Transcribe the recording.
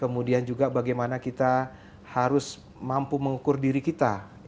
kemudian juga bagaimana kita harus mampu mengukur diri kita